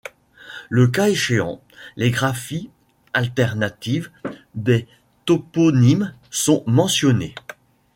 Le cas échéant, les graphies alternatives des toponymes sont mentionnées.